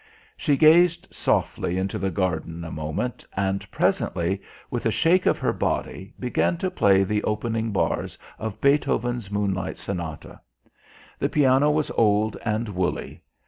She gazed softly into the garden a moment, and presently, with a shake of her body, began to play the opening bars of Beethoven's "Moonlight" Sonata. The piano was old and woolly.